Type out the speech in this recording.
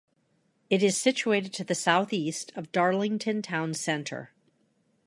It is situated to the south-east of Darlington town centre.